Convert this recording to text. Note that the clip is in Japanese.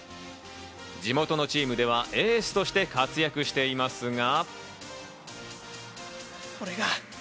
地元のチームではエースとして活躍していますが。